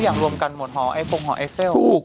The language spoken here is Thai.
ต้องหลวมกันหอยปุงหอยเป้ลผูก